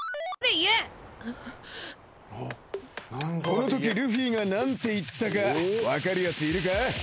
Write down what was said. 「このときルフィが何て言ったか分かるやついるか？」